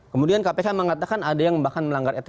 kemudian kpk mengatakan ada yang bahkan melanggar etik